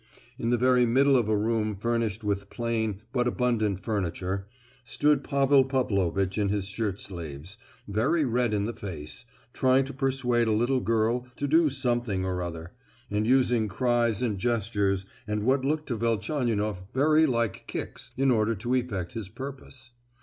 In the very middle of a room furnished with plain, but abundant furniture, stood Pavel Pavlovitch in his shirt sleeves, very red in the face, trying to persuade a little girl to do something or other, and using cries and gestures, and what looked to Velchaninoff very like kicks, in order to effect his purpose.